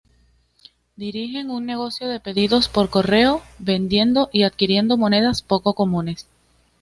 Dirigen un negocio de pedidos por correo, vendiendo y adquiriendo monedas poco comunes.